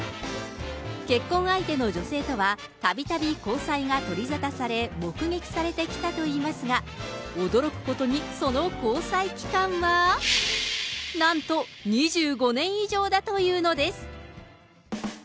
結婚相手の女性とはたびたび交際が取り沙汰され、目撃されてきたといいますが、驚くことに、その交際期間は、なんと２５年以上だというのです。